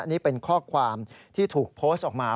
นี่เป็นข้อความที่ถูกโพสต์ออกมา